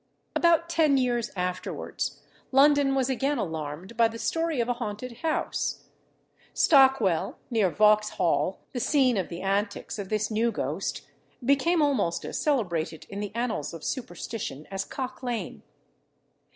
About ten years afterwards, London was again alarmed by the story of a haunted house. Stockwell, near Vauxhall, the scene of the antics of this new ghost, became almost as celebrated in the annals of superstition as Cock Lane.